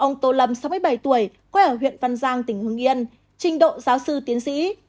ông tô lâm sáu mươi bảy tuổi quê ở huyện văn giang tỉnh hưng yên trình độ giáo sư tiến sĩ